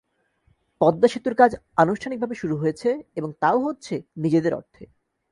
পদ্মা সেতুর কাজ আনুষ্ঠানিকভাবে শুরু হয়েছে, এবং তাও হচ্ছে নিজেদের অর্থে।